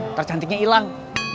ntar cantiknya ilang